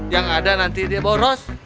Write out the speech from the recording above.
yang ada nanti dia boros